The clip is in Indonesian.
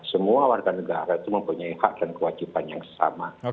semua warga negara itu mempunyai hak dan kewajiban yang sama